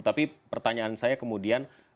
tapi pertanyaan saya kemudian